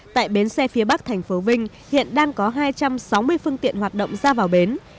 tại bến xe phía bắc tp vinh hiện đang có hai trăm sáu mươi phương tiện hoạt động ra vào bến